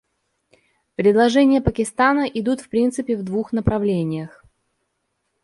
Предложения Пакистана идут в принципе в двух направлениях.